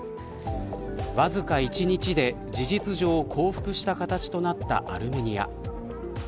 わずか１日で事実上降伏した形となったアルメニア。